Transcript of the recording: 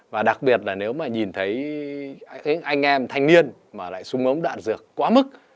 và đặc biệt là nếu mà nhìn thấy anh em thanh niên mà lại sung ống đạn dược quá mức